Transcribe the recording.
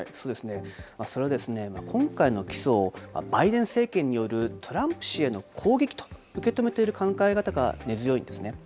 それは今回の起訴、バイデン政権によるトランプ氏への攻撃と受け止めている考え方が根強いんですね。